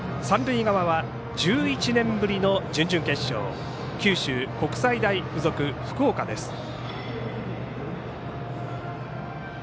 三塁側は１１年ぶりの準々決勝、九州国際大付属福岡です。